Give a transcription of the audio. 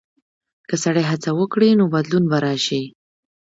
که سړی هڅه وکړي، نو بدلون به راشي.